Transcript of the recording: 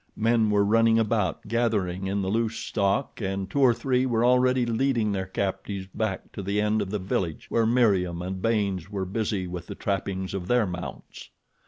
Men were running about gathering in the loose stock, and two or three were already leading their captives back to the end of the village where Meriem and Baynes were busy with the trappings of their mounts.